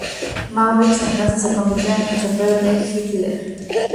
Maurice entonces se convirtió en el chófer de Hitler.